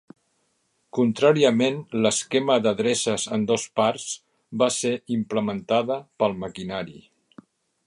Contràriament, l'esquema d'adreces en dos parts va ser implementada pel maquinari.